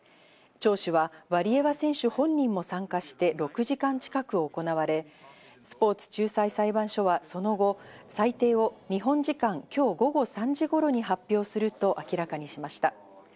聴取はワリエワ選手本人も参加して６時間近く行われ、スポーツ仲裁裁判所はその後、裁定を日本時間、今日午後３時頃に発表すると明らかにしました。